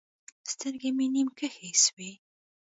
سترګې مې نيم کښې سوې.